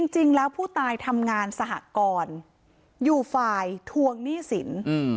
จริงแล้วผู้ตายทำงานสหกรอยู่ฝ่ายทวงหนี้สิน